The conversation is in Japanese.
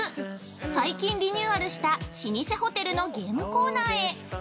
最近リニューアルした老舗ホテルのゲームコーナーへ。